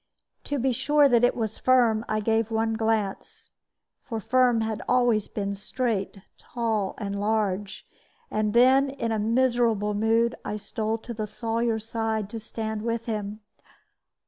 To be sure that it was Firm, I gave one glance for Firm had always been straight, tall, and large and then, in a miserable mood, I stole to the Sawyer's side to stand with him.